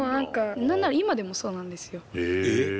何なら今でもそうなんですよ。